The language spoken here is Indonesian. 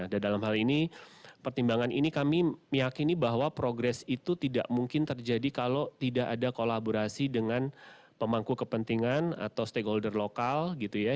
dan dalam hal ini pertimbangan ini kami meyakini bahwa progres itu tidak mungkin terjadi kalau tidak ada kolaborasi dengan pemangku kepentingan atau stakeholder lokal gitu ya